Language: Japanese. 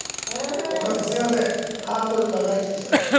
◆お母さん、すみませんハードルが上がり切ってしまいました。